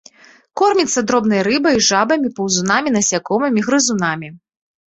Корміцца дробнай рыбай, жабамі, паўзунамі, насякомымі, грызунамі.